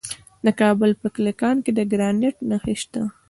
د کابل په کلکان کې د ګرانیټ نښې شته.